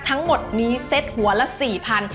ทั้งหมดนี้เซ็ตหัวละ๔๐๐บาท